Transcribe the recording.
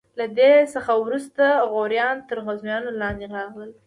له دې څخه وروسته غوریان تر غزنویانو لاندې راغلل.